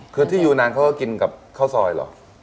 คือที่ยูนานเขาก็กินกับข้าวซอยเหรอ